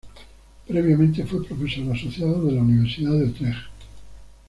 Previamente fue profesor asociado de la Universidad de Utrecht.